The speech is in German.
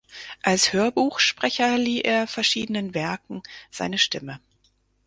Als Hörbuchsprecher lieh er verschiedenen Werken seine Stimme.